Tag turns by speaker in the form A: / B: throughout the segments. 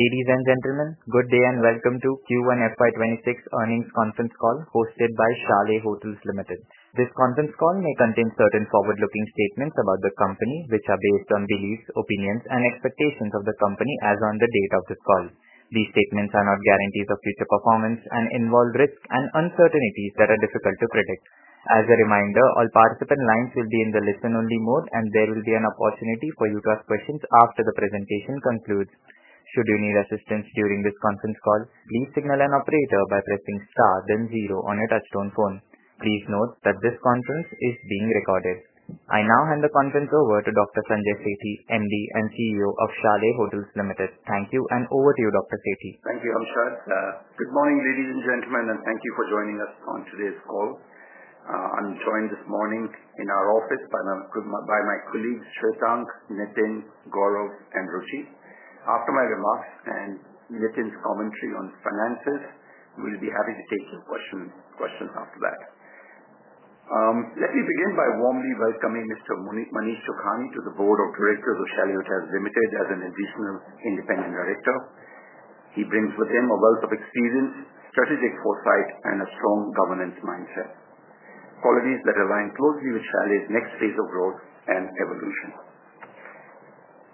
A: Ladies and gentlemen, good day and welcome to Q1 FY 2026 earnings conference call hosted by Chalet Hotels Limited. This conference call may contain certain forward-looking statements about the company, which are based on beliefs, opinions, and expectations of the company as on the date of this call. These statements are not guarantees of future performance and involve risks and uncertainties that are difficult to predict. As a reminder, all participant lines will be in the listen-only mode, and there will be an opportunity for you to ask questions after the presentation concludes. Should you need assistance during this conference call, please signal an operator by pressing * then 0 on your touchtone phone. Please note that this conference is being recorded. I now hand the conference over to Dr. Sanjay Sethi, MD and CEO of Chalet Hotels Limited. Thank you and over to you, Dr. Sethi.
B: Thank you, Amshad. Good morning, ladies and gentlemen, and thank you for joining us on today's call. I'm joined this morning in our office by my colleagues Shwetank, Nitin, Gaurav, and Ruchi. After my remarks and Nitin's commentary on finances, we'll be happy to take your questions after that. Let me begin by warmly welcoming Mr. Manish Chokhani to the board of directors of Chalet Hotels Limited as an additional independent director. He brings with him a wealth of experience, strategic foresight, and a strong governance mindset, qualities that align closely with Chalet's next phase of growth and evolution.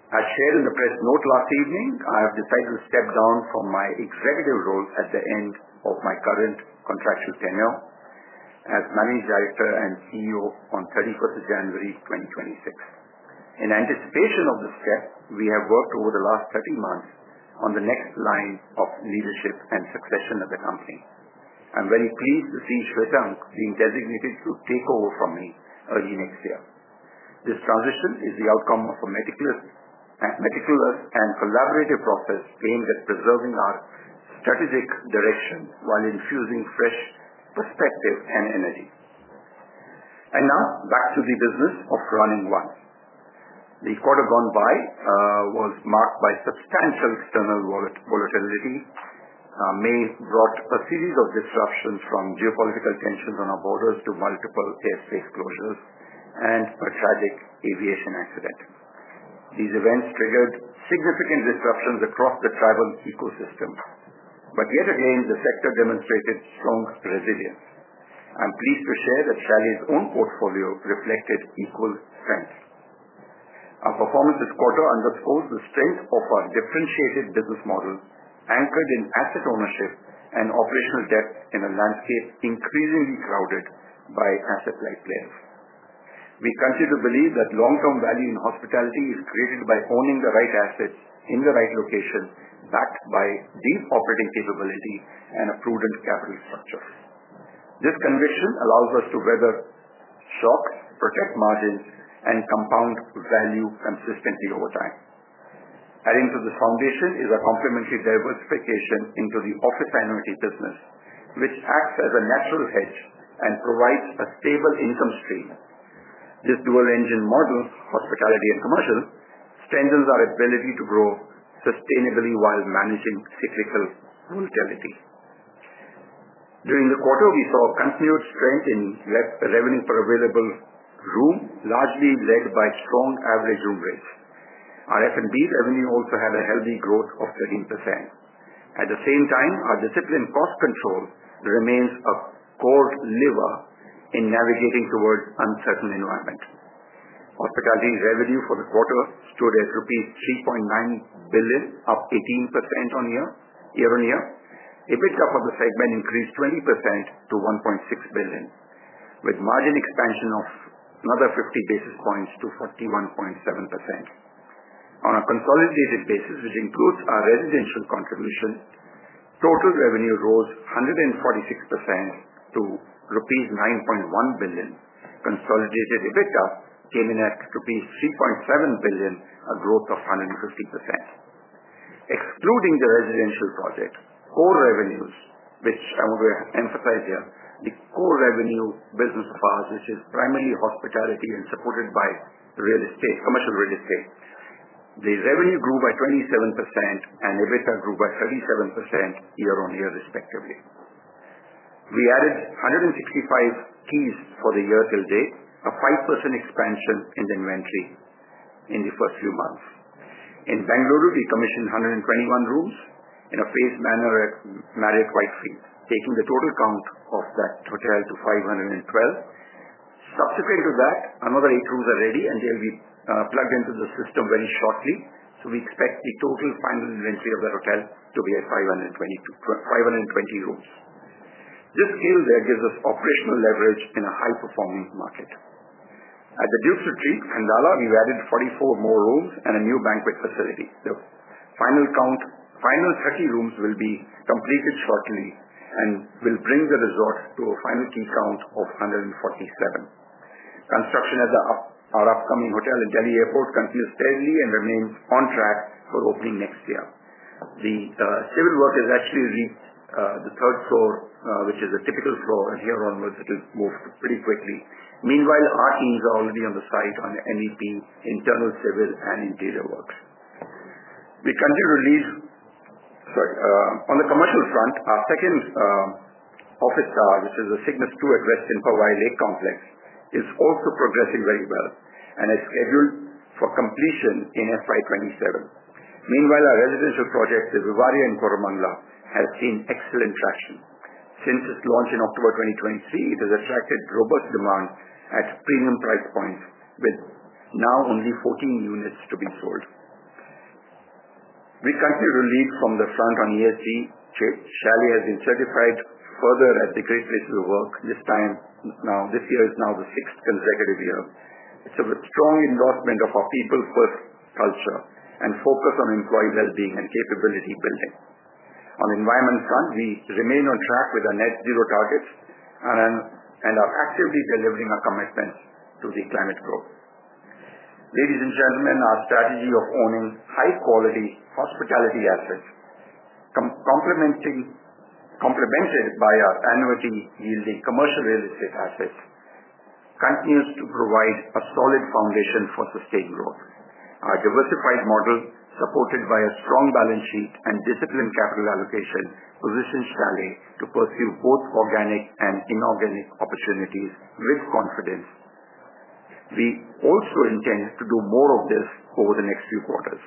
B: As shared in the press note last evening, I have decided to step down from my executive role at the end of my current contractual tenure as Managing Director and CEO on 31st January 2026. In anticipation of this step, we have worked over the last 30 months on the next line of leadership and succession of the company. I'm very pleased to see Shwetank being designated to take over for me early next year. This transition is the outcome of a meticulous and collaborative process aimed at preserving our strategic direction while infusing fresh perspective and energy. Now, back to the business of running one. The quarter gone by was marked by substantial external volatility. May brought a series of disruptions from geopolitical tensions on our borders to multiple airspace closures and a tragic aviation accident. These events triggered significant disruptions across the travel ecosystem. Yet again, the sector demonstrated strong resilience. I'm pleased to share that Chalet's own portfolio reflected equal strength. Our performance this quarter underscores the strength of our differentiated business models anchored in asset ownership and operational depth in a landscape increasingly crowded by asset-light players. We continue to believe that long-term value in hospitality is created by owning the right assets in the right location, backed by deep operating capability and a prudent capital structure. This conviction allows us to weather shocks, protect margins, and compound value consistently over time. Adding to this foundation is a complementary diversification into the office annuity business, which acts as a natural hedge and provides a stable income stream. This dual-engine model, hospitality and commercial, strengthens our ability to grow sustainably while managing sector cyclicality. During the quarter, we saw a continued strength in revenue per available room, largely led by strong average room rates. Our F&B revenue also had a healthy growth of 13%. At the same time, our disciplined cost control remains a core lever in navigating towards uncertain environments. Hospitality revenue for the quarter stood at rupees 3.9 billion, up 18% year-on-year. EBITDA for the segment increased 20% to 1.6 billion, with margin expansion of another 50 basis points to 41.7%. On a consolidated basis, which includes our residential contribution, total revenue rose 146% to rupees 9.1 billion. Consolidated EBITDA came in at rupees 3.7 billion, a growth of 150%. Excluding the residential project, core revenues, which I want to emphasize here, the core revenue business of ours, which is primarily hospitality and supported by real estate, commercial real estate, the revenue grew by 27% and EBITDA grew by 37% year-on-year respectively. We added 165 keys for the year till date, a 5% expansion in the inventory in the first few months. In Bengaluru, we commissioned 121 rooms in a phased manner at Marriott Whitefield, taking the total count of that hotel to 512. Subsequent to that, another eight rooms are ready and they'll be plugged into the system very shortly. We expect the total final inventory of the hotel to be at 520 rooms. This scale there gives us operational leverage in a high-performing market. At the Duke’s Retreat, Khandala, we've added 44 more rooms and a new banquet facility. The final count, final 30 rooms will be completed shortly and will bring the resort to a final key count of 147. Construction at our upcoming hotel in Delhi Airport continues steadily and remains on track for opening next year. The civil work has actually reached the third floor, which is a typical floor, and here onwards, it will move pretty quickly. Meanwhile, our teams are already on the site on NEP internal civil and interior works. We continue to lead on the commercial front. Our second office tower, which is the Cygnus 2 at West Impawai Lake Complex, is also progressing very well and is scheduled for completion in FY 2027. Meanwhile, our residential project, The Vivaria in Koramangala, has seen excellent traction. Since its launch in October 2023, it has attracted robust demand at premium price points, with now only 14 units to be sold. We continue to lead from the front on ESG. Chalet has been certified further at the Great Places to Work. This time now, this year is now the sixth consecutive year. It's a strong endorsement of our people-first culture and focus on employee well-being and capability building. On the environment front, we remain on track with our net zero targets and are actively delivering our commitment to the climate goal. Ladies and gentlemen, our strategy of owning high-quality hospitality assets, complemented by our annuity-yielding commercial real estate assets, continues to provide a solid foundation for sustained growth. Our diversified model, supported by a strong balance sheet and disciplined capital allocation, positions Chalet to pursue both organic and inorganic opportunities with confidence. We also intend to do more of this over the next few quarters.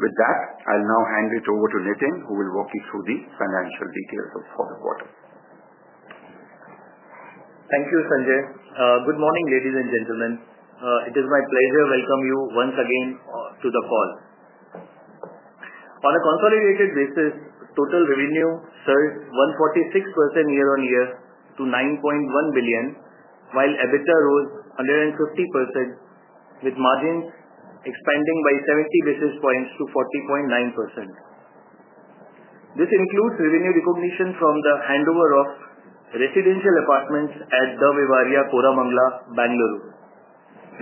B: With that, I'll now hand it over to Nitin, who will walk you through the financial details of the quarter.
C: Thank you, Sanjay. Good morning, ladies and gentlemen. It is my pleasure to welcome you once again to the call. On a consolidated basis, total revenue surged 146% year-on-year to 9.1 billion, while EBITDA rose 150%, with margins expanding by 70 basis points to 40.9%. This includes revenue recognition from the handover of residential apartments at The Vivaria, Koramangala, Bengaluru,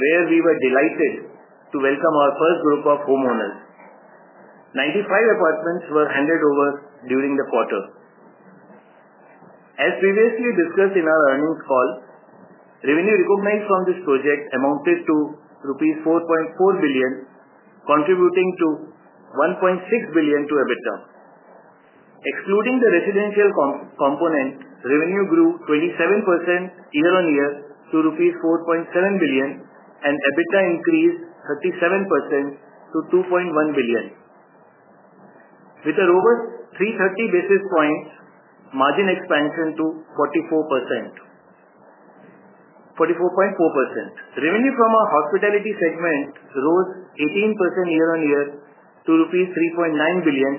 C: where we were delighted to welcome our first group of homeowners. 95 apartments were handed over during the quarter. As previously discussed in our earnings call, revenue recognized from this project amounted to rupees 4.4 billion, contributing 1.6 billion to EBITDA. Excluding the residential component, revenue grew 27% year-on-year to rupees 4.7 billion, and EBITDA increased 37% to 2.1 billion. With a robust 330 basis points margin expansion to 44.4%, revenue from our hospitality segment rose 18% year-on-year to rupees 3.9 billion,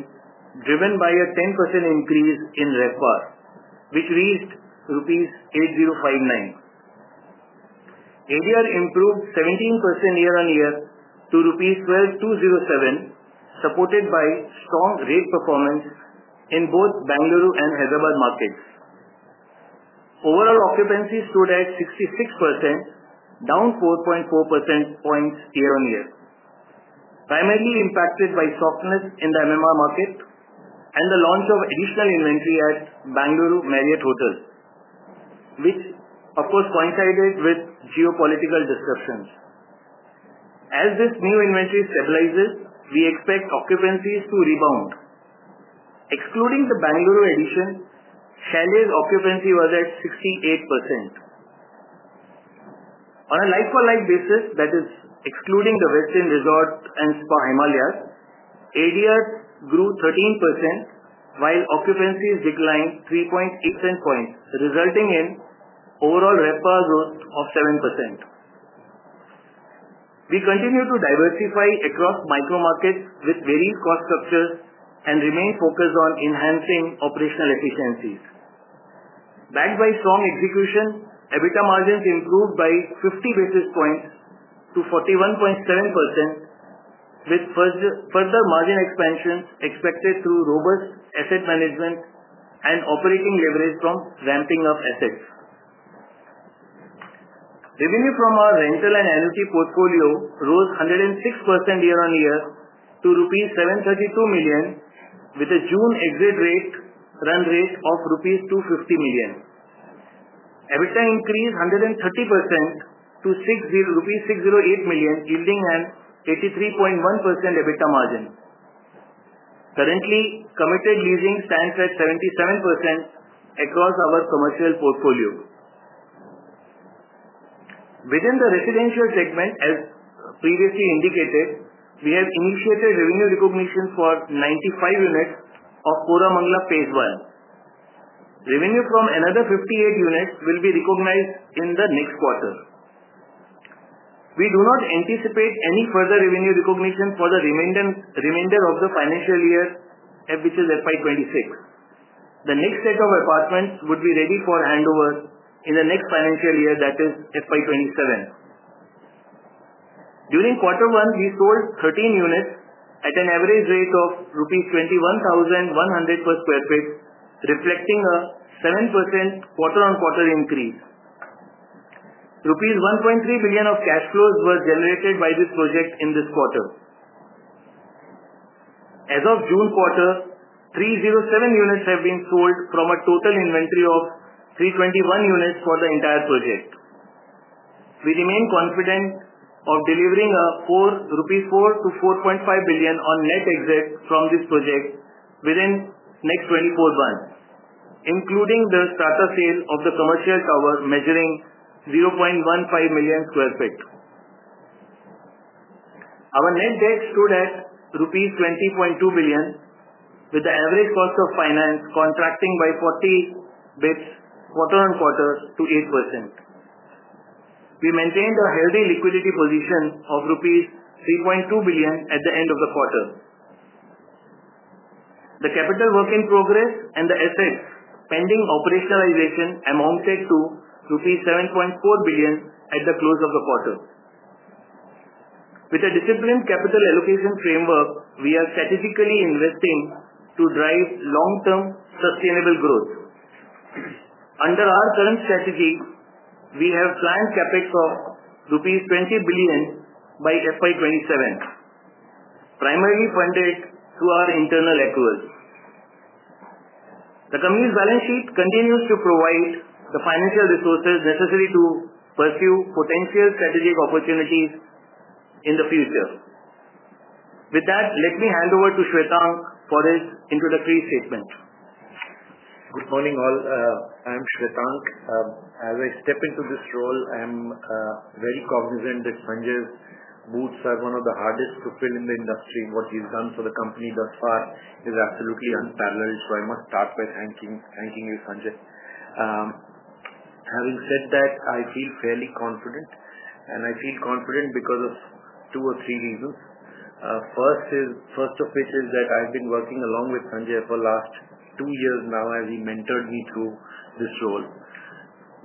C: driven by a 10% increase in RevPAR, which reached rupees 8,059. ADR improved 17% year-on-year to rupees 12,207, supported by strong rate performance in both Bengaluru and Hyderabad markets. Overall occupancy stood at 66%, down 4.4 percentage points year-on-year, primarily impacted by softness in the MMR market and the launch of additional inventory at Bengaluru Marriott Hotels, which, of course, coincided with geopolitical disruptions. As this new inventory stabilizes, we expect occupancies to rebound. Excluding the Bengaluru addition, Chalet's occupancy was at 68%. On a like-for-like basis, that is, excluding The Westin Resort and Spa Himalayas, ADR grew 13%, while occupancies declined 3.8 percentage points, resulting in overall RevPAR growth of 7%. We continue to diversify across micro markets with various cost structures and remain focused on enhancing operational efficiencies. Backed by strong execution, EBITDA margins improved by 50 basis points to 41.7%, with further margin expansion expected through robust asset management and operating leverage from ramping up assets. Revenue from our rental and annuity portfolio rose 106% year-on-year to INR 732 million, with a June exit run rate of INR 250 million. EBITDA increased 130% to INR 608 million, yielding an 83.1% EBITDA margin. Currently, committed leasing stands at 77% across our commercial portfolio. Within the residential segment, as previously indicated, we have initiated revenue recognition for 95 units of Koramangala phase one. Revenue from another 58 units will be recognized in the next quarter. We do not anticipate any further revenue recognition for the remainder of the financial year, which is FY 2026. The next set of apartments would be ready for handover in the next financial year, that is FY 2027. During quarter one, we sold 13 units at an average rate of rupees 21,100 per square foot, reflecting a 7% quarter-on-quarter increase. Rupees 1.3 billion of cash flows were generated by this project in this quarter. As of June quarter, 307 units have been sold from a total inventory of 321 units for the entire project. We remain confident of delivering 4 billion-4.5 billion rupees on net exit from this project within the next 24 months, including the starter sale of the commercial tower measuring 0.15 million square feet. Our net debt stood at rupees 20.2 billion, with the average cost of finance contracting by 40 bps quarter-on-quarter to 8%. We maintained a healthy liquidity position of rupees 3.2 billion at the end of the quarter. The capital work in progress and the assets pending operationalization amounted to rupees 7.4 billion at the close of the quarter. With a disciplined capital allocation framework, we are strategically investing to drive long-term sustainable growth. Under our current strategy, we have planned CapEx of rupees 20 billion by FY 2027, primarily funded through our internal equity. The company's balance sheet continues to provide the financial resources necessary to pursue potential strategic opportunities in the future. With that, let me hand over to Shwetank for his introductory statement.
D: Good morning, all. I'm Shwetank. As I step into this role, I'm very cognizant that Sanjay's boots are one of the hardest to fill in the industry. What he's done for the company thus far is absolutely unparalleled. I must start by thanking you, Sanjay. Having said that, I feel fairly confident, and I feel confident because of two or three reasons. First of which is that I've been working along with Sanjay for the last two years now as he mentored me through this role.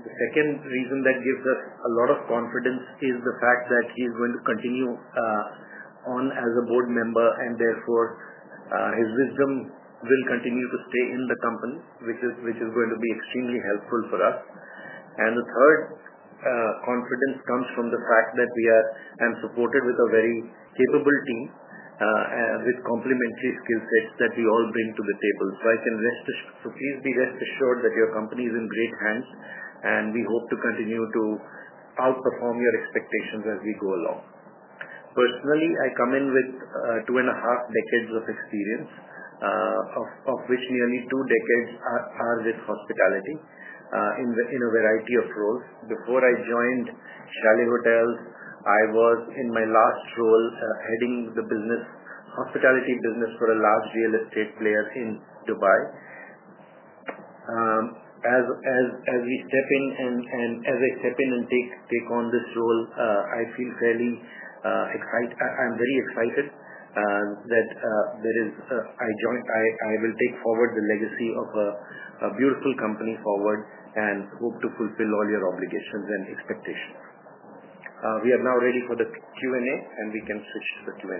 D: The second reason that gives us a lot of confidence is the fact that he is going to continue on as a board member, and therefore, his wisdom will continue to stay in the company, which is going to be extremely helpful for us. The third confidence comes from the fact that we are supported with a very capable team, and with complementary skill sets that we all bring to the table. Please be rest assured that your company is in great hands, and we hope to continue to outperform your expectations as we go along. Personally, I come in with two and a half decades of experience, of which nearly two decades are with hospitality, in a variety of roles. Before I joined Chalet Hotels, I was in my last role heading the hospitality business for a large real estate player in Dubai. As I step in and take on this role, I feel fairly excited. I'm very excited that I will take forward the legacy of a beautiful company forward and hope to fulfill all your obligations and expectations. We are now ready for the Q&A, and we can switch to the Q&A.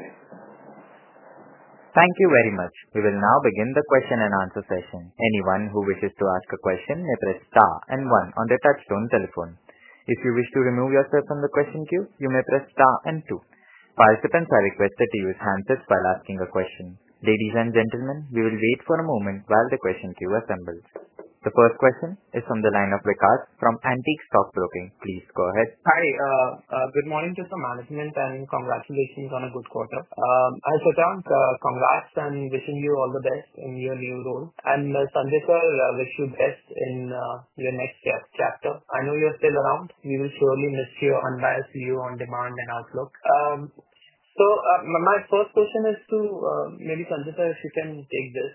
A: Thank you very much. We will now begin the question and answer session. Anyone who wishes to ask a question may press star and one on the touchtone telephone. If you wish to remove yourself from the question queue, you may press star and two. Participants are requested to use handsets while asking a question. Ladies and gentlemen, we will wait for a moment while the question queue assembles. The first question is from the line of Ricard from Antique Stock Broking. Please go ahead. Hi. Good morning to the management and congratulations on a good quarter. Shwetank, congrats and wishing you all the best in your new role. Sanjay sir, wish you best in your next chapter. I know you're still around. We will surely miss your unbiased view on demand and outlook. My first question is to maybe Sanjay sir, if you can take this,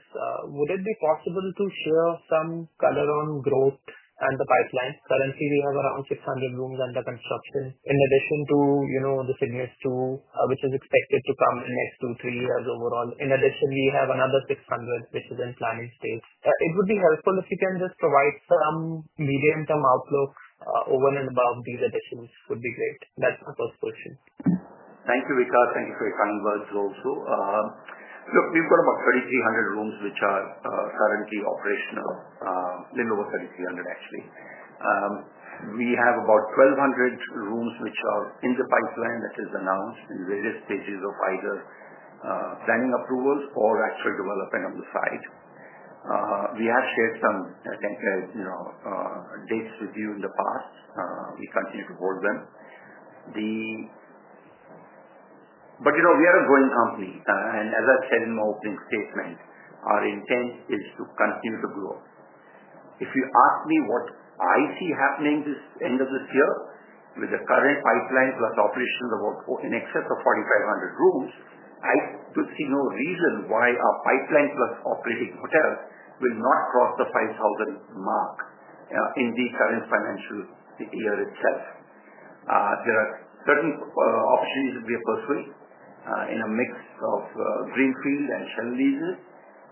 A: would it be possible to share some color on growth and the pipeline? Currently, we have around 600 rooms under construction in addition to the Cygnus 2, which is expected to come in the next two, three years overall. In addition, we have another 600, which is in planning stage. It would be helpful if you can just provide some medium-term outlook over and above these additions. It would be great. That's my first question.
B: Thank you, Ricard. Thank you for your kind words also. Look, we've got about 3,300 rooms, which are currently operational, a little over 3,300, actually. We have about 1,200 rooms, which are in the pipeline, which is announced in various stages of either planning approvals or actual development on the site. We have shared some dates with you in the past. We continue to hold them. We are a growing company. As I said in my opening statement, our intent is to continue to grow. If you ask me what I see happening this end of this year with the current pipeline plus operations of in excess of 4,500 rooms, I could see no reason why our pipeline plus operating hotels will not cross the 5,000 mark in the current financial year itself. There are certain opportunities that we are pursuing, in a mix of Greenfield and shell leases.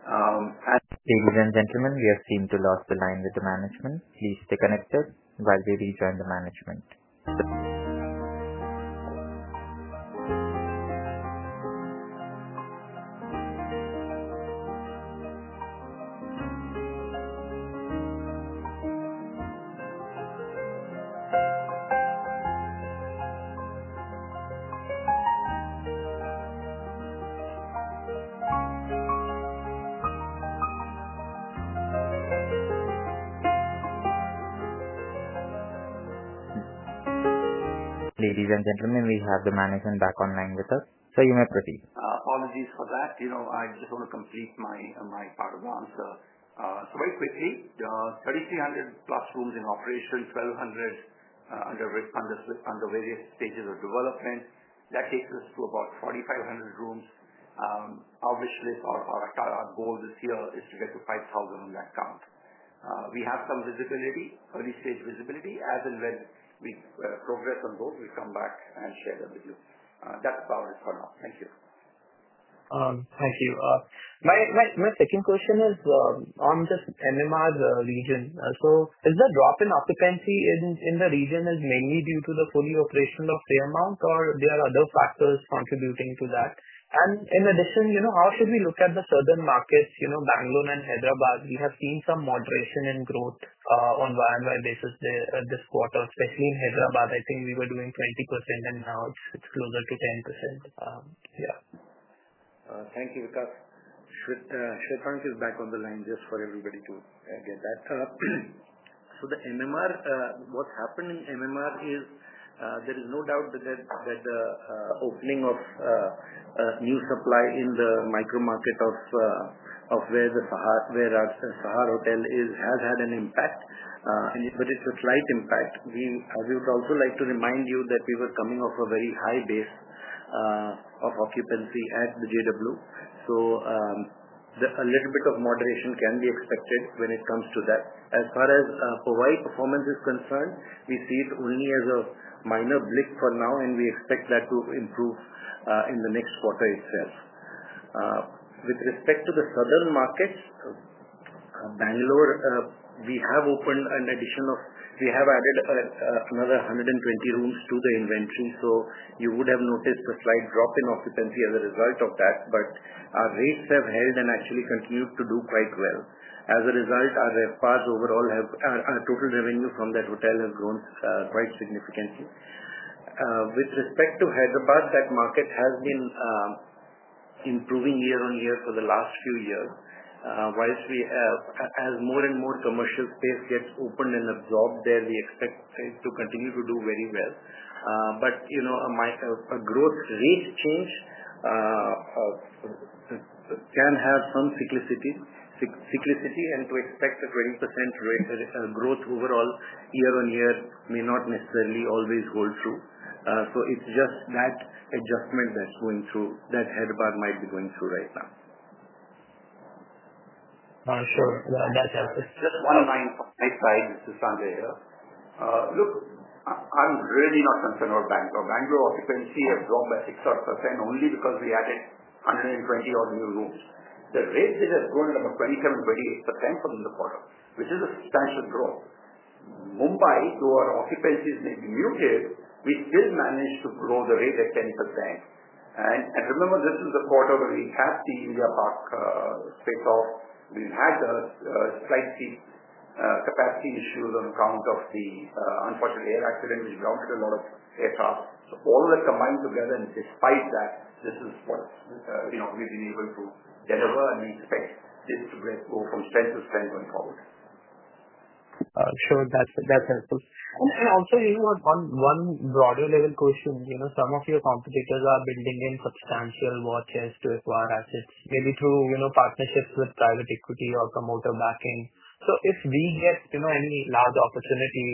A: Ladies and gentlemen, we are keen to lock the line with the management. Please stay connected while we rejoin the management. Ladies and gentlemen, we have the management back online with us. You may proceed.
B: Apologies for that. I just want to complete my part of the answer. Very quickly, 3,300 plus rooms in operation, 1,200 under various stages of development. That takes us to about 4,500 rooms. Our wish list or our goal this year is to get to 5,000 on that count. We have some visibility, early-stage visibility. As and when we progress on those, we come back and share them with you. That's about it for now. Thank you. Thank you. My second question is on this MMR region. Is the drop in occupancy in the region mainly due to the fully operational Fairmount, or are there other factors contributing to that? In addition, how should we look at the southern markets, Bengaluru and Hyderabad? We have seen some moderation in growth on a year-on-year basis there this quarter, especially in Hyderabad. I think we were doing 20%, and now it's closer to 10%. Yeah.
D: Thank you, Ricard. Shwetank is back on the line just for everybody to get that. The MMR, what's happening in MMR is there is no doubt that the opening of new supply in the micro market where the Sahar Hotel is has had an impact, but it's a slight impact. We would also like to remind you that we were coming off a very high base of occupancy at the JW. A little bit of moderation can be expected when it comes to that. As far as Hawaii performance is concerned, we see it only as a minor blip for now, and we expect that to improve in the next quarter itself. With respect to the southern markets, Bengaluru, we have opened an addition of we have added another 120 rooms to the inventory. You would have noticed a slight drop in occupancy as a result of that, but our rates have held and actually continued to do quite well. As a result, our RevPARs overall have our total revenue from that hotel has grown quite significantly. With respect to Hyderabad, that market has been improving year-on-year for the last few years. As more and more commercial space gets opened and absorbed there, we expect it to continue to do very well. A growth rate change can have some cyclicity, and to expect a 20% rate of growth overall year-on-year may not necessarily always hold true. It's just that adjustment that's going through that Hyderabad might be going through right now. Sure, that's helpful.
B: Just one of mine from my side, this is Sanjay here. Look, I'm really not concerned about Bengaluru. Bengaluru occupancy has dropped by 6% or 7% only because we added 120-odd new rooms. The rate has grown at about 27 or 28% from the quarter, which is a substantial growth. Mumbai, though our occupancies may be muted, we still managed to grow the rate at 10%. Remember, this is the quarter where we have the India Park space off. We've had the flight seat capacity issues on account of the unfortunate air accident, which has brought a lot of aircraft. All of that combined together, and despite that, this is what we've been able to deliver and we expect this to grow from strength to strength going forward. Sure. That's helpful. One broader level question. Some of your competitors are building in substantial war chests to acquire assets, maybe through partnerships with private equity or promoter backing. If we get any large opportunity,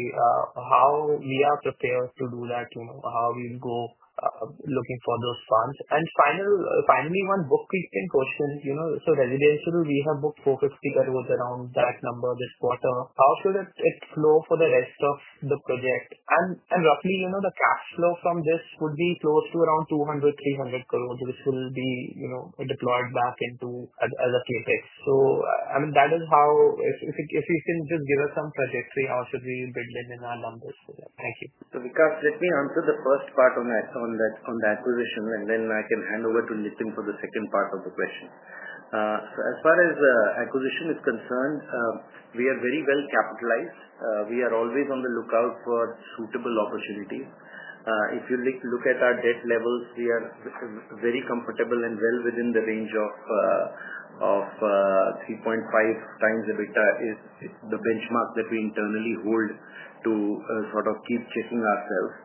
B: how are we prepared to do that, you know how we'll go looking for those funds? Finally, one bookkeeping question. Residential, we have booked 450 crore around that number this quarter. How should it flow for the rest of the project? Roughly, the cash flow from this would be close to around 200 crore, 300 crore, which will be deployed back into as a paycheck. That is how, if you can just give us some trajectory, how should we build in our numbers for that? Thank you.
D: Ricard, let me answer the first part on that, on the acquisition, and then I can hand over to Nitin for the second part of the question. As far as the acquisition is concerned, we are very well capitalized. We are always on the lookout for suitable opportunities. If you look at our debt levels, we are very comfortable and well within the range of 3.5x EBITDA, which is the benchmark that we internally hold to sort of keep checking ourselves.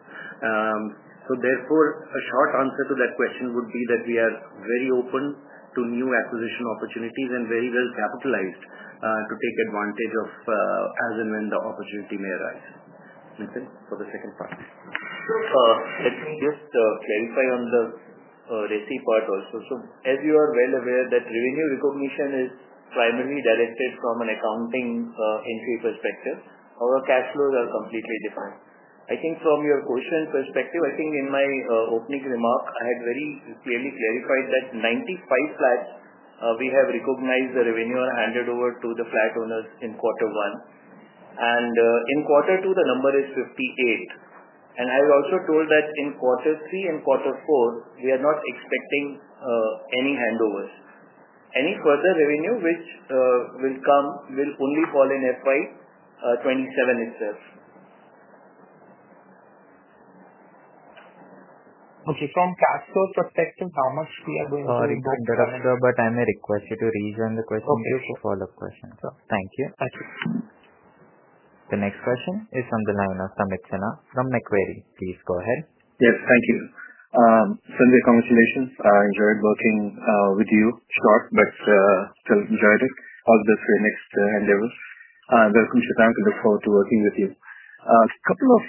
D: Therefore, a short answer to that question would be that we are very open to new acquisition opportunities and very well capitalized to take advantage of as and when the opportunity may arise. Nitin, for the second part.
C: Let me just clarify on the RECI part also. As you are well aware, revenue recognition is primarily directed from an accounting entry perspective. Our cash flows are completely defined. I think from your question perspective, in my opening remark, I had very clearly clarified that 95 flats, we have recognized the revenue and handed over to the flat owners in quarter one. In quarter two, the number is 58. I also told that in quarter three and quarter four, we are not expecting any handovers. Any further revenue which will come will only fall in FY 2027 itself. Okay. From cash flow perspective, how much we are going to.
A: Sorry to interrupt you, but I may request you to rejoin the question queue for follow-up questions. Thank you. Thank you. The next question is from the line of Sameet Sinha from Macquarie, please go ahead.
E: Yes, thank you. Sanjay, congratulations. I enjoyed working with you. Short, but still enjoyed it. All the next endeavors. Welcome, Shwetank. I look forward to working with you. A couple of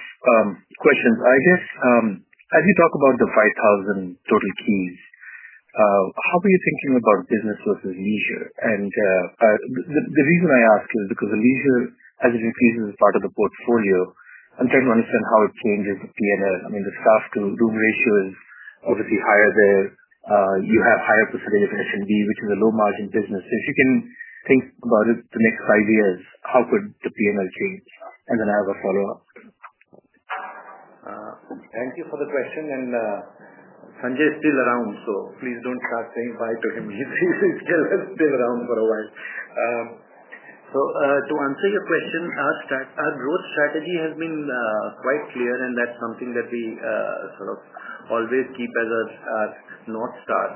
E: questions. I guess, as you talk about the 5,000 total keys, how are you thinking about business versus leisure? The reason I ask is because the leisure, as it increases as part of the portfolio, I'm trying to understand how it changes the P&L. I mean, the staff-to-room ratio is obviously higher there. You have a higher percentage of F&B, which is a low-margin business. If you can think about it the next five years, how could the P&L change? I have a follow-up.
D: Thank you for the question. Sanjay is still around, so please don't start saying bye to him. He will still stay around for a while. To answer your question, our growth strategy has been quite clear, and that's something that we sort of always keep as a North Star.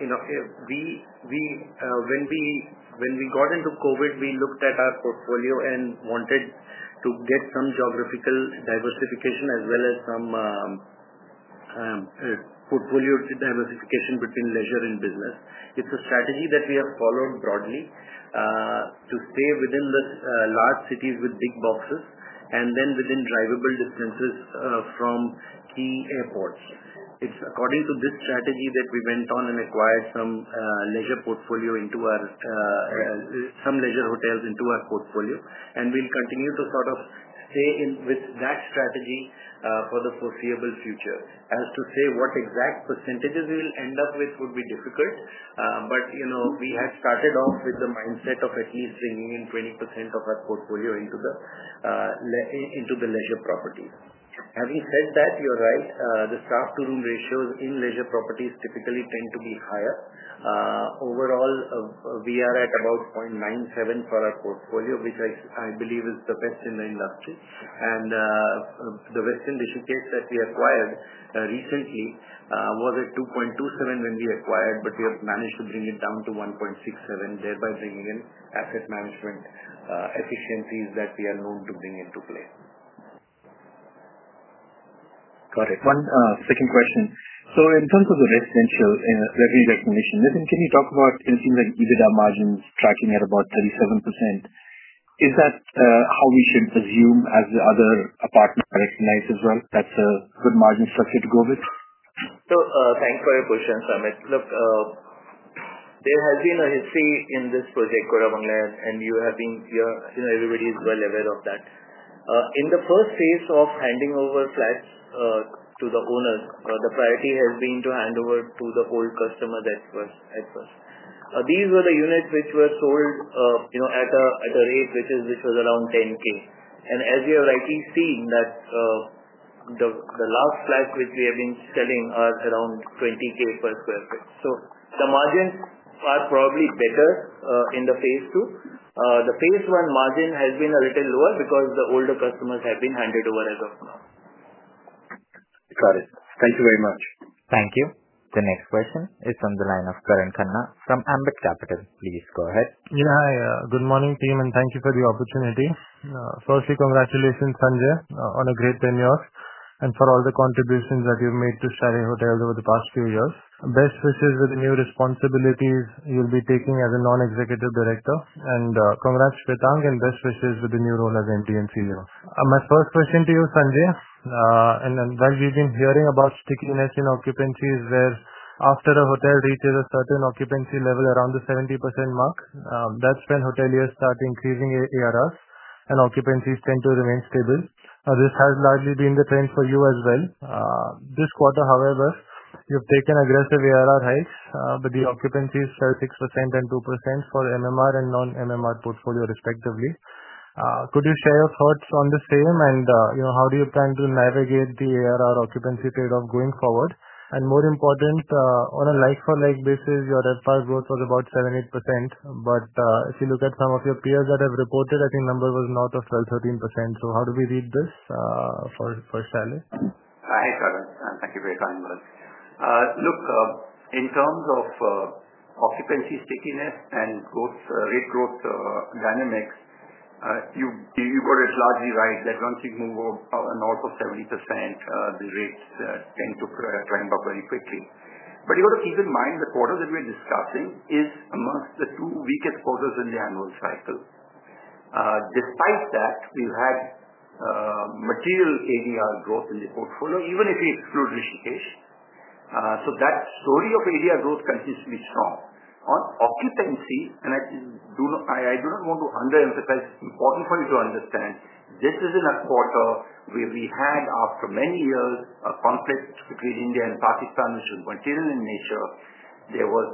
D: When we got into COVID, we looked at our portfolio and wanted to get some geographical diversification as well as some portfolio diversification between leisure and business. It's a strategy that we have followed broadly to stay within the large cities with big boxes and then within drivable distances from key airports. According to this strategy, we went on and acquired some leisure hotels into our portfolio, and we'll continue to sort of stay with that strategy for the foreseeable future. As to say what exact % we'll end up with would be difficult, but you know we have started off with the mindset of at least bringing in 20% of our portfolio into the leisure properties. Having said that, you're right. The staff-to-room ratios in leisure properties typically tend to be higher. Overall, we are at about 0.97 for our portfolio, which I believe is the best in the industry. The Westin Dish and Cakes that we acquired recently was at 2.27 when we acquired, but we have managed to bring it down to 1.67, thereby bringing in asset management efficiencies that we are known to bring into play.
E: Got it. One second question. In terms of the residential and revenue recognition, Nitin, can you talk about it seems like EBITDA margins tracking at about 37%? Is that how we should assume as the other apartment recognized as well? That's a good margin structure to go with?
C: Thanks for your question, Samet. There has been a history in this project, Koramangala, and you have been, you know, everybody is well aware of that. In the first phase of handing over flats to the owners, the priority has been to hand over to the whole customer at first. These were the units which were sold at a rate which was around 10,000. As we are rightly seeing, the last flat which we have been selling is around 20,000 per square foot. The margins are probably better in phase two. The phase one margin has been a little lower because the older customers have been handed over as of now.
E: Got it. Thank you very much.
A: Thank you. The next question is from the line of Karan Khanna from AMBIT Capital. Please go ahead.
F: Yeah, hi. Good morning, team, and thank you for the opportunity. Firstly, congratulations, Sanjay, on a great tenure and for all the contributions that you've made to Chalet Hotels over the past few years. Best wishes with the new responsibilities you'll be taking as a Non-Executive Director. Congratulations, Shwetank, and best wishes with the new role as MD and CEO. My first question to you, Sanjay, as we've been hearing about stickiness in occupancies where after a hotel reaches a certain occupancy level, around the 70% mark, that's when hoteliers start increasing ARRs, and occupancies tend to remain stable. This has largely been the trend for you as well. This quarter, however, you've taken aggressive ARR hikes, but the occupancies fell 6% and 2% for MMR and non-MMR portfolio respectively. Could you share your thoughts on this aim and, you know, how do you plan to navigate the ARR occupancy trade-off going forward? More important, on a like-for-like basis, your RevPAR growth was about 7, 8%. If you look at some of your peers that have reported, I think the number was north of 12%, 13%. How do we read this, for Chalet?
B: Hi, Karen. Thank you for your kind words. Look, in terms of occupancy stickiness and rate growth dynamics, you got it largely right that once you move north of 70%, the rates tend to climb up very quickly. You have to keep in mind the quarter that we're discussing is among the two weakest quarters in the annual cycle. Despite that, we've had material ADR growth in the portfolio, even if we exclude Rishikesh. That story of ADR growth continues to be strong. On occupancy, and I do not want to underemphasize, it's important for you to understand this is in a quarter where we had, after many years, a conflict between India and Pakistan, which was material in nature. There was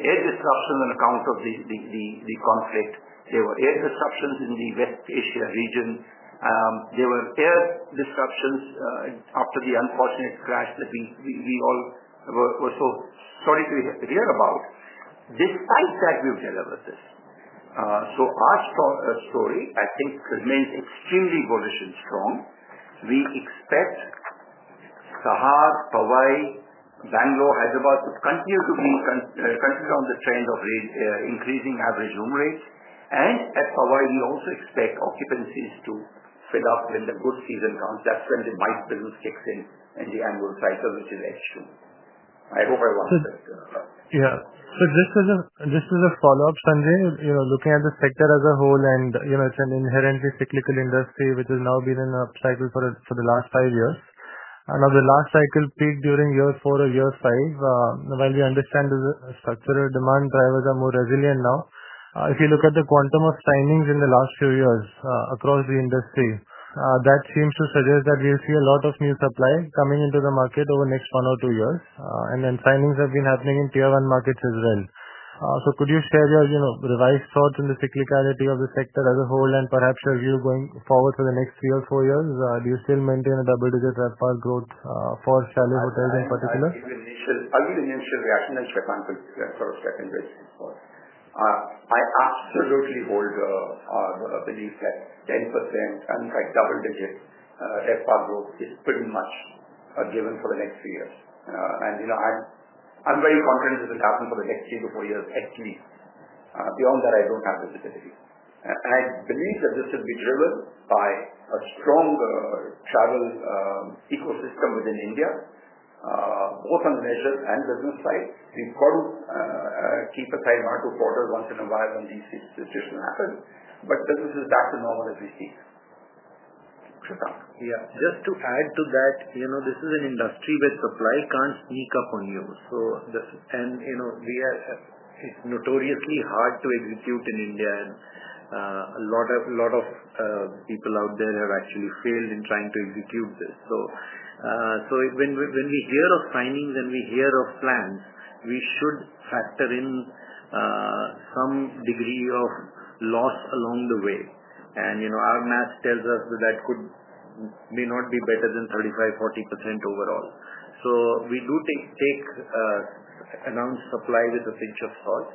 B: air disruption on account of the conflict. There were air disruptions in the West Asia region. There were air disruptions after the unfortunate crash that we all were so sorry to hear about. Despite that, we've delivered this. Our story, I think, remains extremely bullish and strong. We expect Sahar, Hawaii, Bengaluru, Hyderabad to continue to be on the trend of increasing average room rates. At Hawaii, we also expect occupancies to fill up when the good season comes. That's when the bike business kicks in in the annual cycle, which is H2. I hope I wasn't a bit too much.
F: Yeah. Just as a follow-up, Sanjay, you know, looking at the sector as a whole, and you know, it's an inherently cyclical industry, which has now been in an up cycle for the last five years. The last cycle peaked during year four or year five. While we understand the structure of demand drivers are more resilient now, if you look at the quantum of signings in the last few years across the industry, that seems to suggest that we'll see a lot of new supply coming into the market over the next one or two years. Signings have been happening in tier one markets as well. Could you share your revised thoughts on the cyclicality of the sector as a whole and perhaps your view going forward for the next three or four years? Do you still maintain a double-digit RevPAR growth for Chalet Hotels in particular?
B: Sure. I'll give you the initial reaction, and Shwetank will sort of second this for it. I absolutely hold the belief that 10%, and in fact, double-digit RevPAR growth is pretty much a given for the next few years. I'm very confident this will happen for the next three to four years, hence me. Beyond that, I don't have the visibility. I believe that this will be driven by a strong travel ecosystem within India, both on the leisure and business side. We've got to keep aside Marathi quarters once in a while when these situations happen. Business is back to normal as we speak. Shwetank.
D: Yeah, just to add to that, you know, this is an industry where supply can't sneak up on you. It's notoriously hard to execute in India, and a lot of people out there have actually failed in trying to execute this. When we hear of signings and we hear of plans, we should factor in some degree of loss along the way. You know, our math tells us that that could may not be better than 35%-40% overall. We do take announced supply with a pinch of salt,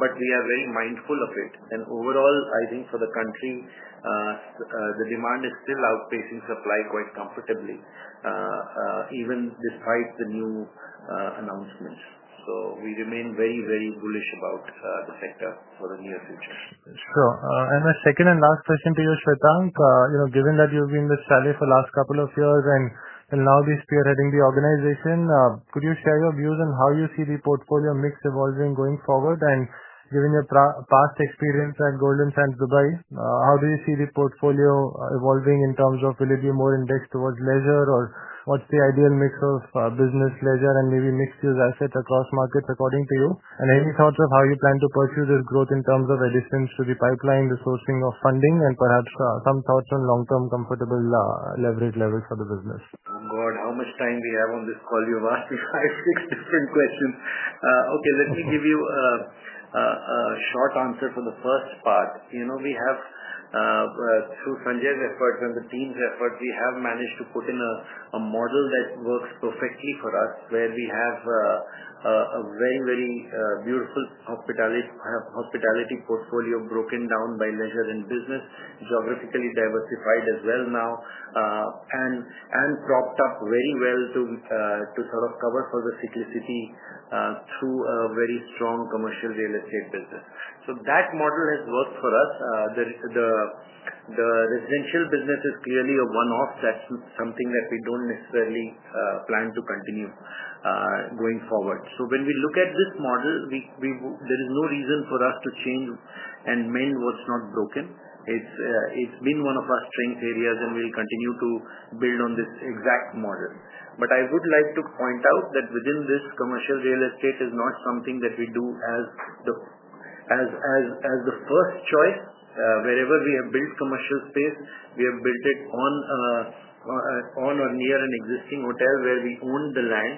D: but we are very mindful of it. Overall, I think for the country, the demand is still outpacing supply quite comfortably, even despite the new announcement. We remain very, very bullish about the sector for the near future.
F: Sure. My second and last question to you, Shwetank, given that you've been with Chalet for the last couple of years and now will be spearheading the organization, could you share your views on how you see the portfolio mix evolving going forward? Given your past experience at Golden Sands Dubai, how do you see the portfolio evolving in terms of will it be more indexed towards leisure, or what's the ideal mix of business, leisure, and maybe mixed-use assets across markets according to you? Any thoughts on how you plan to pursue this growth in terms of additions to the pipeline, the sourcing of funding, and perhaps some thoughts on long-term comfortable leverage levels for the business?
D: Oh God, how much time we have on this call? You've asked me five, six different questions. Okay, let me give you a short answer for the first part. You know, we have, through Sanjay's efforts and the team's efforts, managed to put in a model that works perfectly for us, where we have a very, very beautiful hospitality portfolio broken down by leisure and business, geographically diversified as well now, and propped up very well to sort of cover for the cyclicity through a very strong commercial real estate business. That model has worked for us. The residential business is clearly a one-off. That's something that we don't necessarily plan to continue going forward. When we look at this model, there is no reason for us to change and mend what's not broken. It's been one of our strength areas, and we'll continue to build on this exact model. I would like to point out that within this, commercial real estate is not something that we do as the first choice. Wherever we have built commercial space, we have built it on or near an existing hotel where we own the land,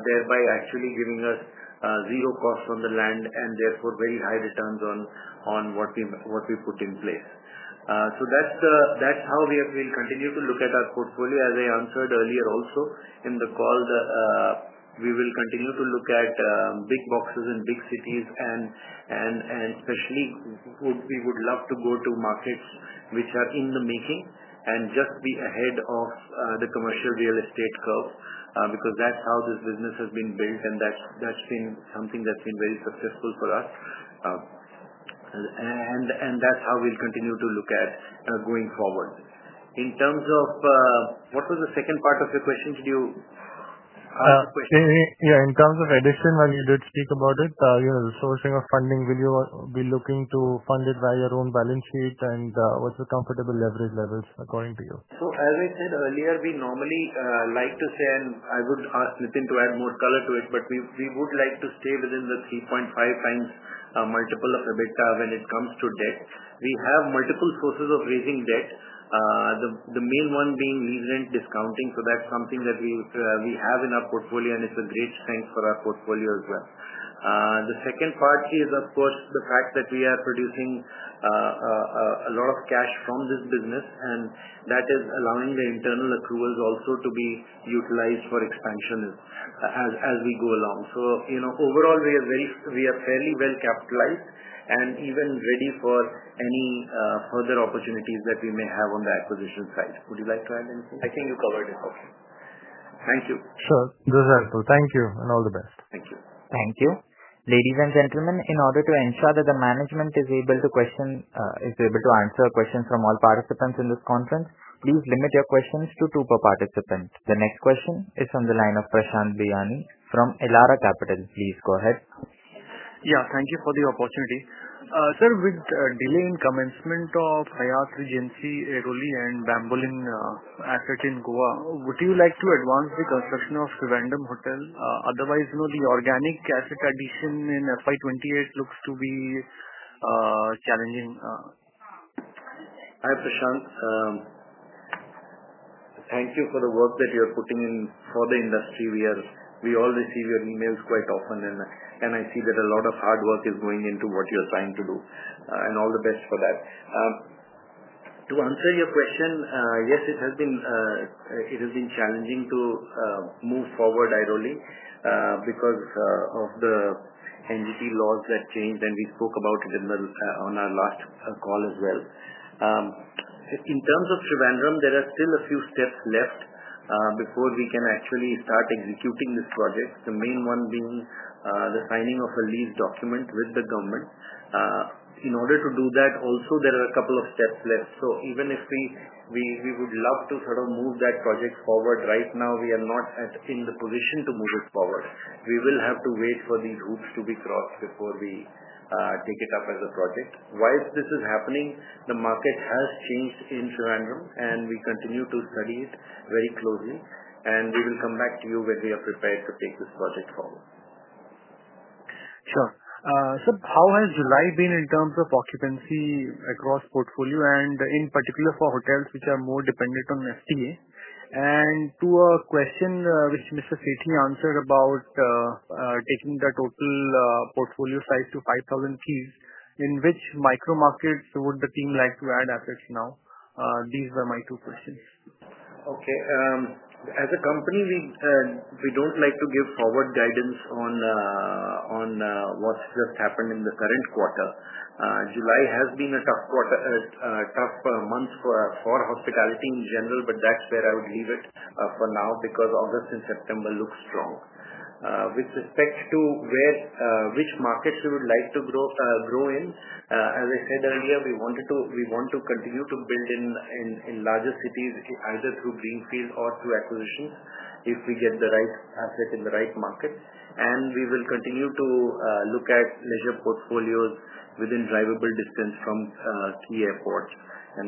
D: thereby actually giving us zero costs on the land and therefore very high returns on what we put in place. That's how we will continue to look at our portfolio. As I answered earlier also in the call, we will continue to look at big boxes and big cities, and especially we would love to go to markets which are in the making and just be ahead of the commercial real estate curve, because that's how this business has been built, and that's been something that's been very successful for us. That's how we'll continue to look at going forward. In terms of what was the second part of your question? Could you ask the question?
F: In terms of addition, when you did speak about it, you know, the sourcing of funding, will you be looking to fund it via your own balance sheet? What's the comfortable leverage levels according to you?
D: As I said earlier, we normally like to say, and I would ask Nitin to add more color to it, but we would like to stay within the 3.5x multiple of EBITDA when it comes to debt. We have multiple sources of raising debt, the main one being lease rent discounting. That is something that we have in our portfolio, and it's a great strength for our portfolio as well. The second part is, of course, the fact that we are producing a lot of cash from this business, and that is allowing the internal accruals also to be utilized for expansion as we go along. Overall, we are fairly well capitalized and even ready for any further opportunities that we may have on the acquisition side. Would you like to add anything?
C: I think you covered it.
D: Okay. Thank you.
F: Sure. This is helpful. Thank you and all the best.
A: Thank you. Thank you. Ladies and gentlemen, in order to ensure that the management is able to answer questions from all participants in this conference, please limit your questions to two per participant. The next question is from the line of Prashant Biyani from Ellora Capitals. Please go ahead.
G: Thank you for the opportunity. Sir, with the delay in commencement of Hyatt Regency Airoli and Bambolim asset in Goa, would you like to advance the construction of Srivandam Hotel? Otherwise, you know, the organic asset addition in FY 2028 looks to be challenging.
D: Hi, Prashant. Thank you for the work that you're putting in for the industry. We all receive your emails quite often, and I see that a lot of hard work is going into what you're trying to do. All the best for that. To answer your question, yes, it has been challenging to move forward, Airoli, because of the NGT laws that changed, and we spoke about it on our last call as well. In terms of Srivandam, there are still a few steps left before we can actually start executing this project, the main one being the signing of a lease document with the government. In order to do that, also, there are a couple of steps left. Even if we would love to sort of move that project forward right now, we are not in the position to move it forward. We will have to wait for these hoops to be crossed before we take it up as a project. While this is happening, the market has changed in Srivandam, and we continue to study it very closely. We will come back to you when we are prepared to take this project forward.
G: Sure. How has July been in terms of occupancy across portfolio, and in particular for hotels which are more dependent on FTA? To a question which Mr. Sethi answered about taking the total portfolio size to 5,000 keys, in which micro markets would the team like to add assets now? These were my two questions.
D: Okay. As a company, we don't like to give forward guidance on what's just happened in the current quarter. July has been a tough month for hospitality in general, that's where I would leave it for now because August and September look strong. With respect to which markets we would like to grow in, as I said earlier, we want to continue to build in larger cities, either through Greenfield or through acquisitions if we get the right asset in the right market. We will continue to look at leisure portfolios within drivable distance from key airports.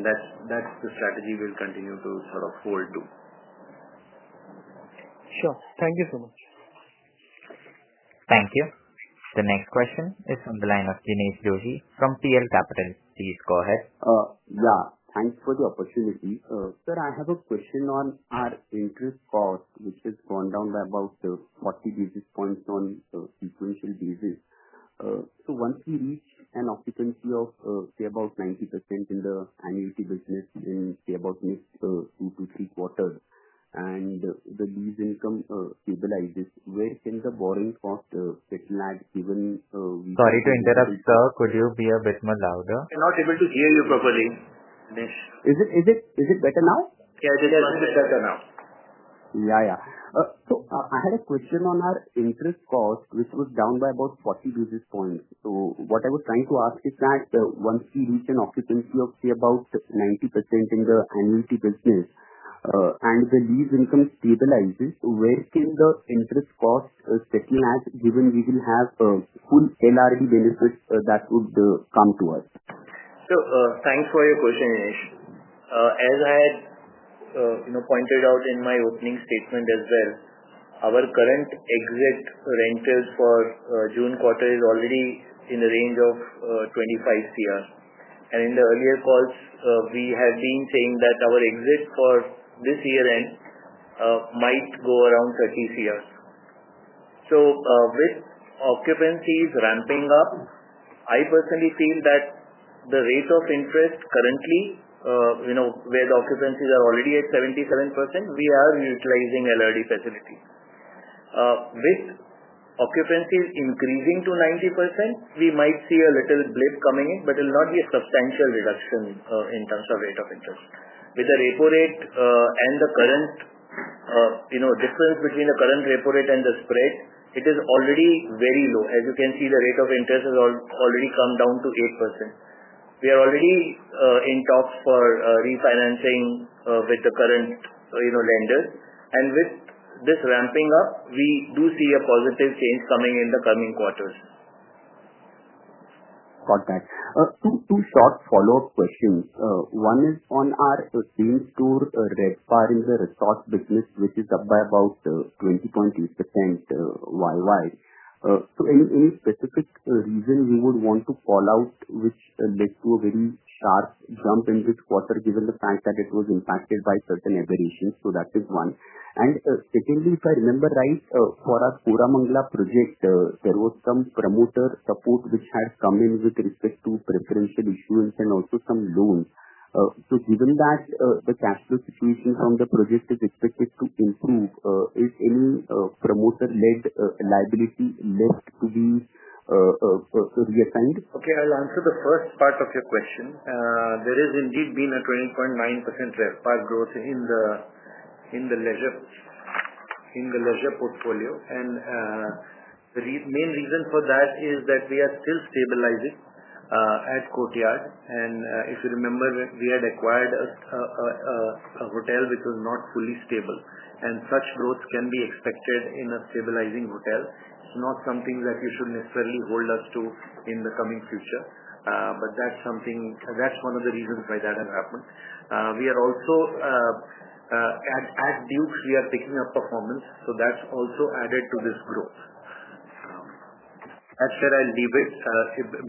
D: That's the strategy we'll continue to sort of hold to.
G: Sure. Thank you so much.
A: Thank you. The next question is from the line of Jinesh Joshi from PL Capitals. Please go ahead.
H: Thank you for the opportunity. Sir, I have a question on our interest cost, which has gone down by about 40 bps on a sequential basis. Once we reach an occupancy of, say, about 90% in the annual business in, say, about the next two to three quarters, and the lease income stabilizes, where can the borrowing cost fit in that given?
A: Sorry to interrupt, sir. Could you be a bit more loud?
C: I'm not able to hear you properly, Jinesh.
H: Is it better now?
C: Yeah, it is a bit better now.
H: Yeah. I had a question on our interest cost, which was down by about 40 basis points. What I was trying to ask is that once we reach an occupancy of, say, about 90% in the annual business and the lease income stabilizes, where can the interest cost fit in that given we will have full LRE benefits that would come to us?
C: Thanks for your question, Jinesh. As I had pointed out in my opening statement as well, our current exit rentals for June quarter is already in the range of 25 crore. In the earlier calls, we had been saying that our exit for this year end might go around 30 crore. With occupancies ramping up, I personally feel that the rate of interest currently, where the occupancies are already at 77%, we are utilizing LRD facilities. With occupancies increasing to 90%, we might see a little blip coming in, but it will not be a substantial reduction in terms of rate of interest. With the repo rate and the current difference between the current repo rate and the spread, it is already very low. As you can see, the rate of interest has already come down to 8%. We are already in talks for refinancing with the current lenders. With this ramping up, we do see a positive change coming in the coming quarters.
H: Got that. Two short follow-up questions. One is on our Duke’s Retreat. RevPAR is a resort business, which is up by about 20.8% year-on-year. Is there any specific reason you would want to call out which led to a very sharp jump in this quarter, given the fact that it was impacted by certain aberrations? That is one. Secondly, if I remember right, for our Koramangala project, there was some promoter support which had come in with respect to preferential issuance and also some loans. Given that the cash flow situation from the project is expected to improve, is any promoter-led liability left to be reassigned?
D: Okay. I'll answer the first part of your question. There has indeed been a 20.9% RevPAR growth in the leisure portfolio. The main reason for that is that we are still stabilizing at Courtyard. If you remember, we had acquired a hotel which was not fully stable, and such growth can be expected in a stabilizing hotel. It's not something that you should necessarily hold us to in the coming future. That's one of the reasons why that has happened. We are also at Duke’s. We are picking up performance, so that's also added to this growth. That's where I'll leave it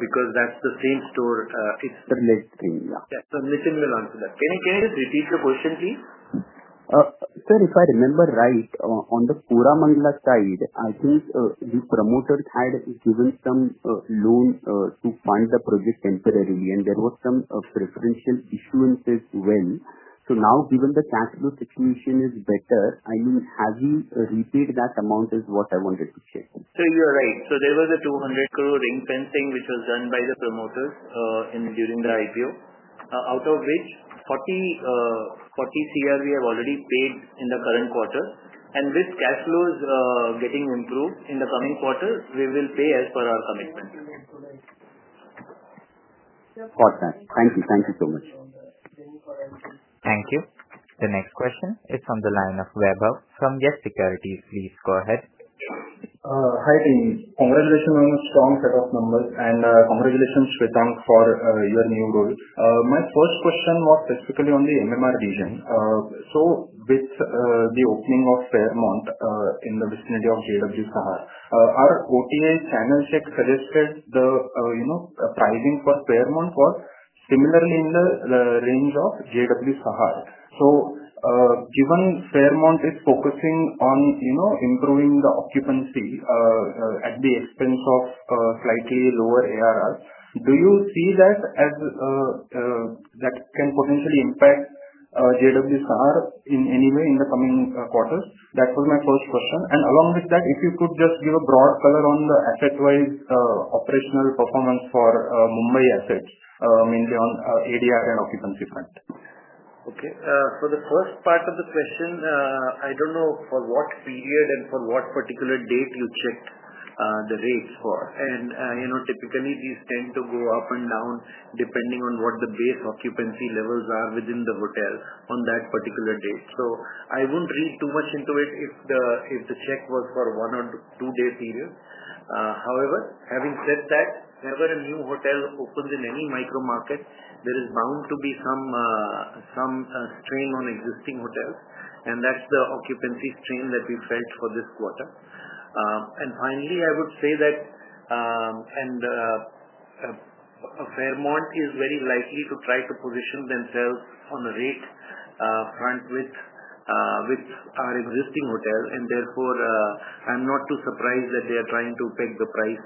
D: because that's the same store. Yeah. Nitin we'll answer that.
C: Can I just repeat the question, please?
H: Sir, if I remember right, on the Koramangala side, I think the promoter had given some loan to fund the project temporarily, and there were some preferential issuances. Now, given the cash flow situation is better, I mean, have we repaid that amount is what I wanted to check.
C: You are right. There was a 200 crore ring fencing, which was done by the promoters during the IPO, out of which 40 crore we have already paid in the current quarter. With cash flows getting improved in the coming quarter, we will pay as per our commitment.
H: Got that. Thank you. Thank you so much.
A: Thank you. The next question is from the line of Vaibhav from Yes Securities, please go ahead. Hi, team. Congratulations on a strong set of numbers, and congratulations, Shwetank, for your new role. My first question was specifically on the MMR region. With the opening of Fairmont in the vicinity of JW Sahar, our OTA channel check suggested the pricing for Fairmont was similarly in the range of JW Sahar. Given Fairmont is focusing on improving the occupancy at the expense of slightly lower ARRs, do you see that as, that can potentially impact JW Sahar in any way in the coming quarters? That was my first question. Along with that, if you could just give a broad color on the asset-wise operational performance for Mumbai assets, I mean, beyond ADR and occupancy front.
D: Okay. For the first part of the question, I don't know for what period and for what particular date you checked the rates for. Typically, these tend to go up and down depending on what the base occupancy levels are within the hotel on that particular date. I wouldn't read too much into it if the check was for one or two-day periods. However, having said that, whenever a new hotel opens in any micro market, there is bound to be some strain on existing hotels. That's the occupancy strain that we felt for this quarter. Finally, I would say that Fairmont is very likely to try to position themselves on the rate front with our existing hotel. Therefore, I'm not too surprised that they are trying to peg the price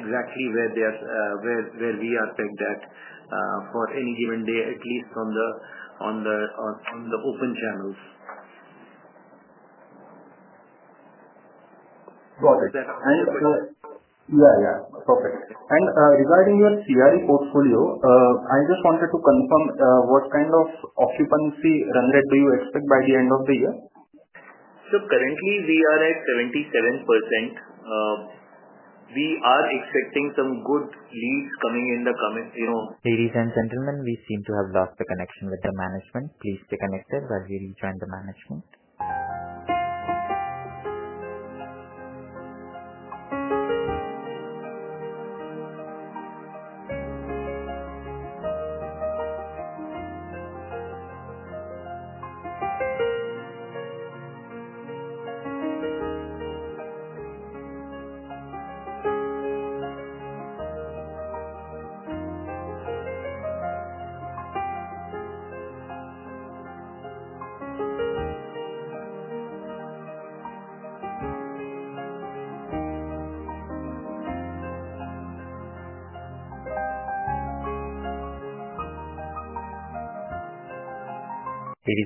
D: exactly where we are pegged at for any given day, at least on the open channels. Got it. Is that? Yeah, perfect. Regarding your CRE portfolio, I just wanted to confirm what kind of occupancy run rate do you expect by the end of the year?
C: Currently, we are at 77%. We are expecting some good leads coming in the coming, you know.
A: Ladies and gentlemen, we seem to have lost the connection with the management. Please stay connected while we rejoin the management.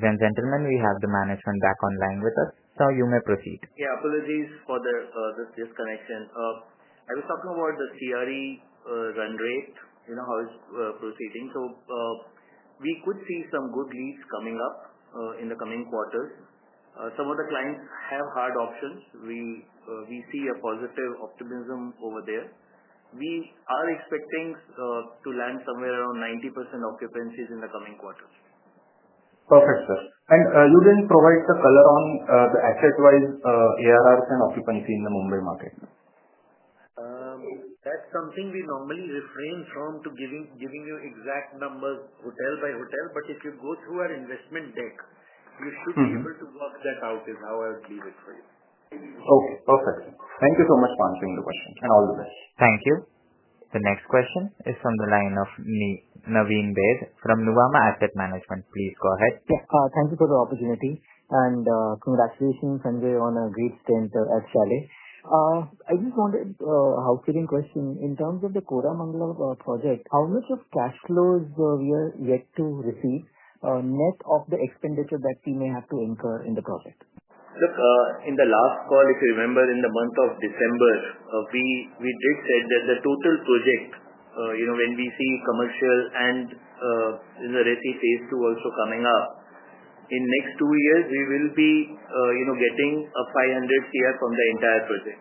A: Ladies and gentlemen, we have the management back online with us. You may proceed.
C: Apologies for the disconnection. I was talking about the CRE run rate, you know, how it's proceeding. We could see some good leads coming up in the coming quarters. Some of the clients have hard options. We see a positive optimism over there. We are expecting to land somewhere around 90% occupancies in the coming quarters. Perfect, sir. You didn't provide the color on the asset-wise ARRs and occupancy in the Mumbai market.
D: That's something we normally refrain from giving you exact numbers hotel by hotel. If you go through our investment deck, you should be able to work that out is how I would leave it for you. Okay. Perfect. Thank you so much for answering the question. All the best.
A: Thank you. The next question is from the line of Naveen Baid from Nuvama Asset Management. Please go ahead.
I: Yeah. Thank you for the opportunity. Congratulations, Sanjay, on a great stint at Chalet. I just wanted a housekeeping question. In terms of the Koramangala project, how much of cash flow is we are yet to receive net of the expenditure that we may have to incur in the project?
C: Look, in the last call, if you remember, in the month of December, we did say that the total project, you know, when we see commercial and in the RECI phase two also coming up, in the next two years, we will be, you know, getting 500 crore from the entire project.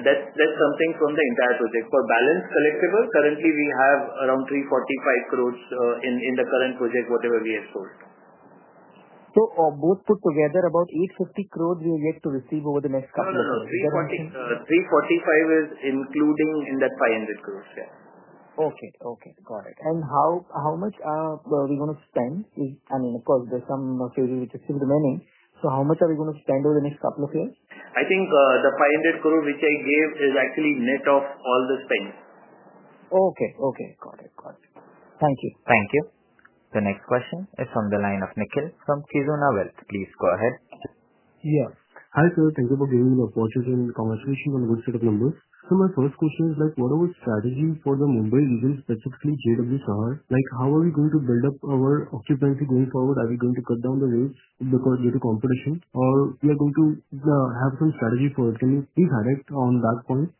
C: That's something from the entire project. For balance collectible, currently, we have around 345 crore in the current project, whatever we have sold.
I: Both put together, about 850 crore we are yet to receive over the next couple of years. Is that right?
C: 345 is included in that 500 crore. Yeah.
I: Okay. Okay. Got it. How much are we going to spend? I mean, of course, there's some material which is still remaining. How much are we going to spend over the next couple of years?
C: I think the 500 crore which I gave is actually net of all the spend.
I: Okay. Got it. Thank you.
A: Thank you. The next question is from the line of Nikhil from Kizuna Wealth. Please go ahead.
J: Yeah. Hi, sir. Thank you for giving me the opportunity and congratulations on a good set of numbers. My first question is, what are our strategies for the Mumbai region, specifically JW Sahar? How are we going to build up our occupancy going forward? Are we going to cut down the rates because of competition, or are we going to have some strategy for it? Can you please add on that point?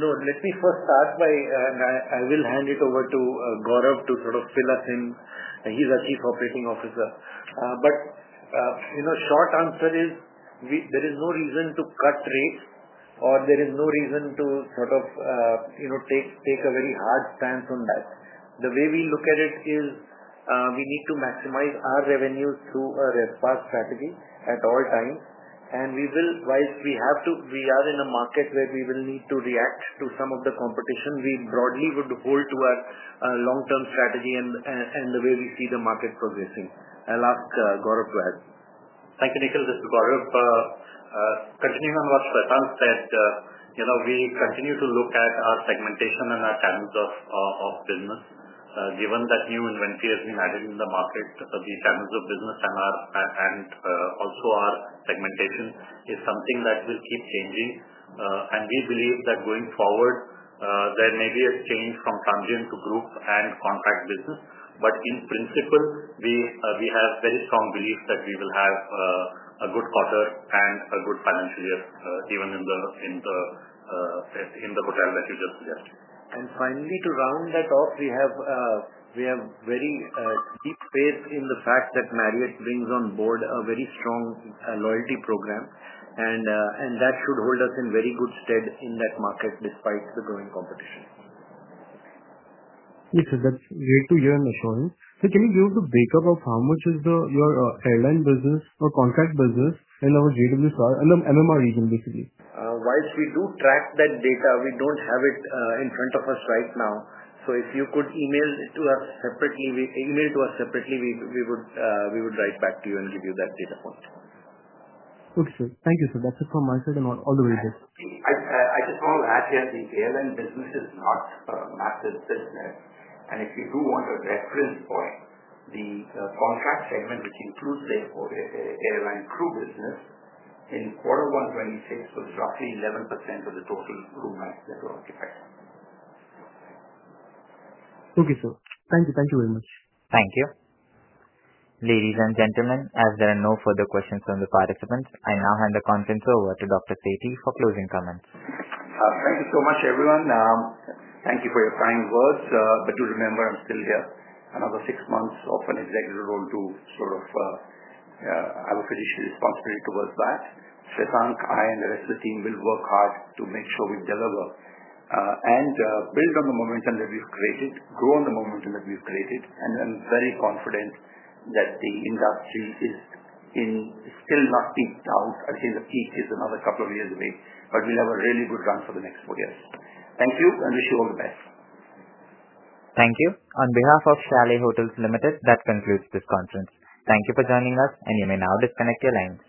D: Let me first start by, and I will hand it over to Gaurav to sort of fill us in. He's our Chief Operating Officer. The short answer is there is no reason to cut rates, or there is no reason to sort of take a very hard stance on that. The way we look at it is we need to maximize our revenues through a RevPAR strategy at all times. We are in a market where we will need to react to some of the competition. We broadly would hold to our long-term strategy and the way we see the market progressing. I'll ask Gaurav to add.
K: Thank you, Nikhil. This is Gaurav. Continuing on what Shwetank said, we continue to look at our segmentation and our channels of business. Given that new inventory has been added in the market, the channels of business and also our segmentation is something that will keep changing. We believe that going forward, there may be a change from transient to group and contract business. In principle, we have very strong beliefs that we will have a good quarter and a good financial year, even in the hotel that you just suggested.
D: Finally, to round that off, we have very deep faith in the fact that Marriott brings on board a very strong loyalty program. That should hold us in very good stead in that market despite the growing competition.
J: Yes, sir. That's great to hear and assuring. Can you give us the breakup of how much is your airline business or contract business in our JW Sahar and the MMR region, basically?
D: While we do track that data, we don't have it in front of us right now. If you could email it to us separately, we would write back to you and give you that data point.
J: Okay, sir. Thank you, sir. That's it from my side and all the way there.
B: I just want to add here the airline business is not a massive business. If you do want a reference point, the contract segment, which includes the airline crew business, in Q1 2026 was roughly 11% of the total room max network occupied.
J: Okay, sir. Thank you. Thank you very much.
A: Thank you. Ladies and gentlemen, as there are no further questions from the participants, I now hand the conference over to Dr. Sethi for closng comments.
B: Thank you so much, everyone. Thank you for your kind words. Do remember, I'm still here. Another six months of an executive role to sort of, I have a fiduciary responsibility towards that. Shwetank, I, and the rest of the team will work hard to make sure we deliver and build on the momentum that we've created, grow on the momentum that we've created. I'm very confident that the industry is still not peaked out. I think the peak is another couple of years away. We'll have a really good run for the next four years. Thank you and wish you all the best.
A: Thank you. On behalf of Chalet Hotels Limited, that concludes this conference. Thank you for joining us, and you may now disconnect your lines.